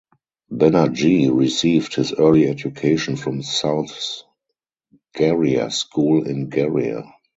Bannerjee received his early education from South Garia School in Garia.